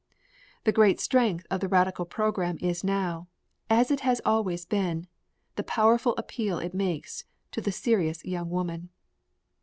The great strength of the radical program is now, as it has always been, the powerful appeal it makes to the serious young woman.